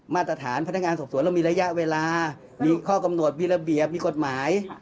มาตรฐานพนักงานสอบสวนเรามีระยะเวลามีข้อกำหนดมีระเบียบมีกฎหมาย